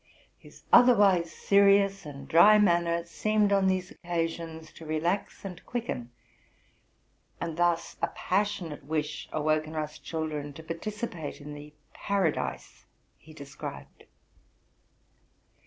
His otherwise serious and dry manner seemed on these occasions to velax and quicken, and thus a passionate wish awoke in us children to participate in the paradise he described.